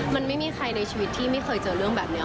มันไม่มีใครในชีวิตที่ไม่เคยเจอเรื่องแบบนี้